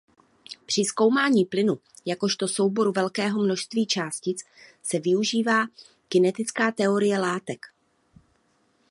Při zkoumání plynu jakožto souboru velkého množství částic se využívá kinetická teorie látek.